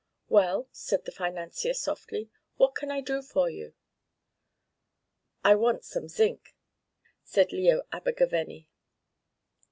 "Well," said the financier softly, "what can I do for you?" "I want some zinc," said Leo Abergavenny.